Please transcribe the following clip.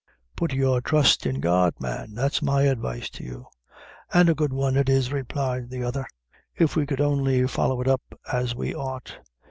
"Put your trust in God, man that's my advice to you." "And a good one it is," replied the other, "if we could only follow it up as we ought.